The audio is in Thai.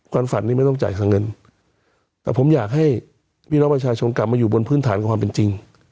ฝันนี้ไม่ต้องจ่ายค่าเงินแต่ผมอยากให้พี่น้องประชาชนกลับมาอยู่บนพื้นฐานความเป็นจริง